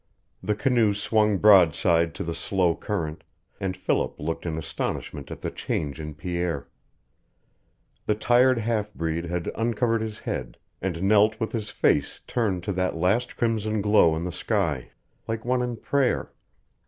The canoe swung broadside to the slow current, and Philip looked in astonishment at the change in Pierre. The tired half breed had uncovered his head, and knelt with his face turned to that last crimson glow in the sky, like one in prayer.